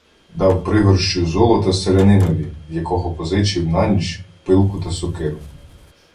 Дав пригорщу золота селянинові, в якого позичив на ніч пилку та сокиру.